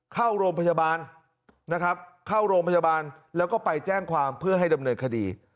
เข้ารมพจบาลแล้วก็ไปแจ้งความเพื่อให้ดำเนินคดี